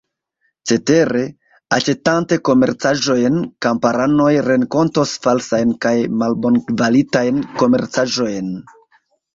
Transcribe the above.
Cetere, aĉetante komercaĵojn, kamparanoj renkontos falsajn kaj malbonkvalitajn komercaĵojn.